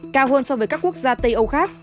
cao hơn so với các quốc gia tây âu khác